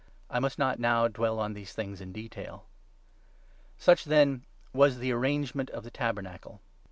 But I must not now dwell on these things in detail. Such, then, was the arrangement of the 6 Tabernacle.